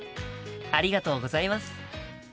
ありがとうございます。